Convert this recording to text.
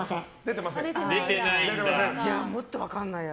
じゃあもっと分かんないや。